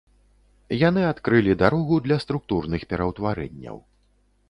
Яны адкрылі дарогу для структурных пераўтварэнняў.